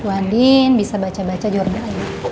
bu andi bisa baca baca jurnalnya ya